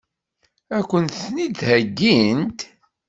Ad kent-ten-id-heggint?